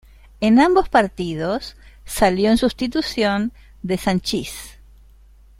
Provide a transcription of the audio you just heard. En ambos partidos salió en sustitución de Sanchís.